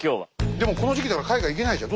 でもこの時期だから海外行けないじゃん。